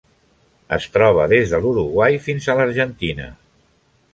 Es troba des de l'Uruguai fins a l'Argentina.